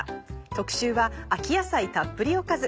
特集は「秋野菜たっぷりおかず」。